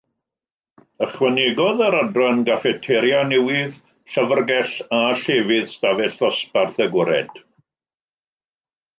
Ychwanegodd yr adran gaffeteria newydd, llyfrgell a llefydd ystafell ddosbarth agored.